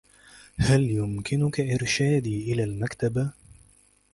هل يمكنك إرشادي إلى المكتبة؟